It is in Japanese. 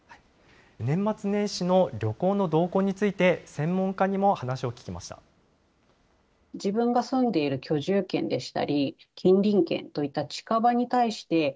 年末年始の旅行の動向について、専門家にも話を聞きました。